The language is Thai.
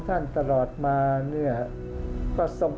ภาคอีสานแห้งแรง